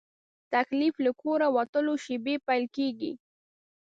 تکلیف له کوره وتلو شېبې پیل کېږي.